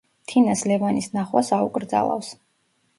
თინას ლევანის ნახვას აუკრძალავს.